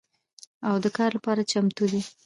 او د کار لپاره چمتو دي